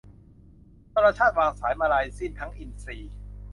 นรชาติวางวาย มลายสิ้นทั้งอินทรีย์